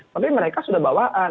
tapi mereka sudah bawaan